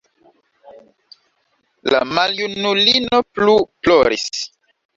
La maljunulino plu ploris.